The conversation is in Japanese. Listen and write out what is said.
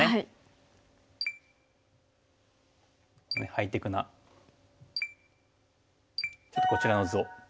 ハイテクなちょっとこちらの図を。